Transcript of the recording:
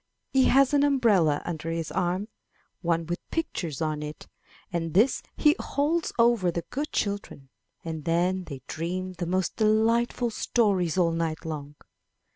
He has an umbrella under his arm, one with pictures on it, and this he holds over the good children, and then they dream the most delight ful stories all night long.